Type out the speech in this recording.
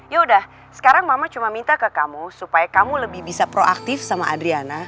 ya udah sekarang mama cuma minta ke kamu supaya kamu lebih bisa proaktif sama adriana